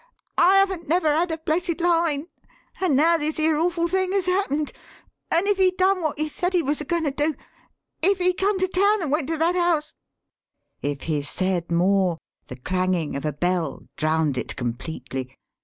"I haven't never had a blessed line; and now this here awful thing has happened. And if he done what he said he was a goin' to do if he come to town and went to that house " If he said more, the clanging of a bell drowned it completely.